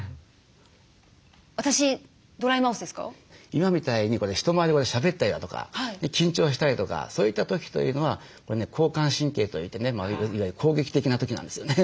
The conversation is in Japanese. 今みたいに人前でしゃべったりだとか緊張したりとかそういった時というのはこれね交感神経といってねいわゆる攻撃的な時なんですよね。